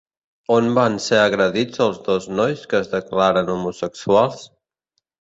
On van ser agredits els dos nois que es declararen homosexuals?